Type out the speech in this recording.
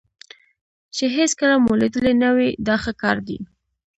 چې هېڅکله مو لیدلی نه وي دا ښه کار دی.